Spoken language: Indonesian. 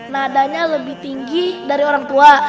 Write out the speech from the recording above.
nadanya lebih tinggi dari orang tua